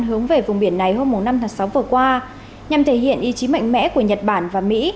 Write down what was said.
hướng về vùng biển này hôm năm tháng sáu vừa qua nhằm thể hiện ý chí mạnh mẽ của nhật bản và mỹ